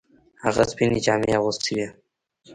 هغه سپینې جامې اغوستې وې.